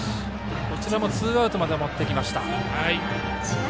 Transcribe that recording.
こちらもツーアウトまで持っていきました。